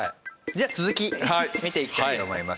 じゃあ続き見ていきたいと思います。